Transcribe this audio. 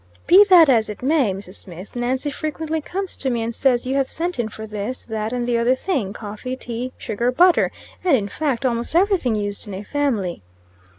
"Be that as it may, Mrs. Smith; Nancy frequently comes to me and says you have sent in for this, that, and the other thing coffee, tea, sugar, butter; and, in fact, almost everything used in a family."